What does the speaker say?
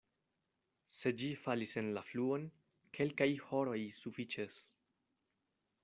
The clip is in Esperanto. Se ĝi falis en la fluon, kelkaj horoj sufiĉas.